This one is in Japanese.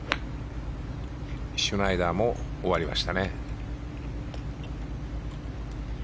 シュナイダーも終わりましたね。